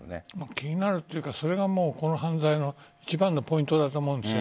気になるというかそれがもうこの犯罪の一番のポイントだと思います。